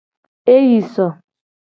Eyi so.